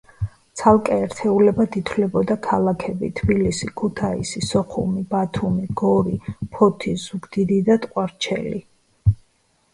ცალკე ერთეულად ითვლებოდა ქალაქები: თბილისი, ქუთაისი, სოხუმი, ბათუმი, გორი, ფოთი, ზუგდიდი და ტყვარჩელი.